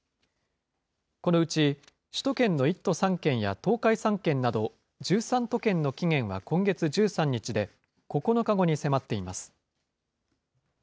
このうち、首都圏の１都３県や東海３県など１３都県の期限は今月１３日で、９日後に迫っています。